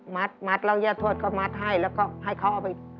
มัดแล้วย่าทวดก็มัดให้แล้วก็ให้เขาเอาไป